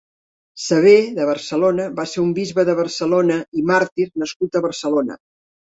Sever de Barcelona va ser un bisbe de Barcelona i màrtir nascut a Barcelona.